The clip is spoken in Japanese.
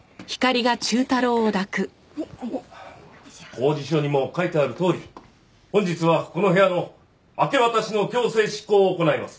公示書にも書いてあるとおり本日はこの部屋の明け渡しの強制執行を行います。